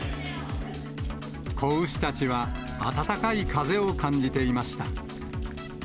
子牛たちは、暖かい風を感じていました。